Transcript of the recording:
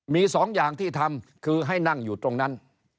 มีสองอย่างที่ทำคือให้นั่งอยู่ตรงนั้น